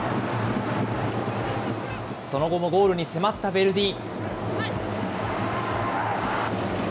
その後もゴールに迫ったヴェルディ。